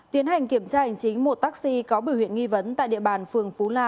tiến hành kiểm tra hành chính một taxi có biểu hiện nghi vấn tại địa bàn phường phú la